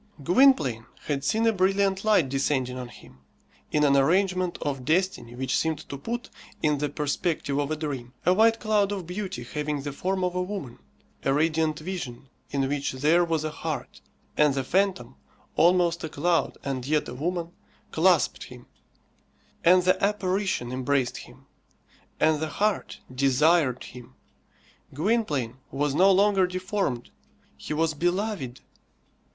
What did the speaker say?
Gwynplaine had seen a brilliant light descending on him, in an arrangement of destiny which seemed to put, in the perspective of a dream, a white cloud of beauty having the form of a woman, a radiant vision in which there was a heart; and the phantom, almost a cloud and yet a woman, clasped him; and the apparition embraced him; and the heart desired him. Gwynplaine was no longer deformed. He was beloved.